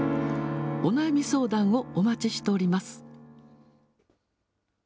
お悩み相談をお待ちしております。